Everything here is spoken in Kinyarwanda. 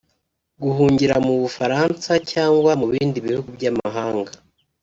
Guhungira mu Bufaransa cyangwa mu bindi bihugu by’amahanga